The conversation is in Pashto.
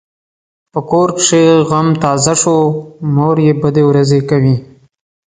په کور کې غم تازه شو؛ مور یې بدې ورځې کوي.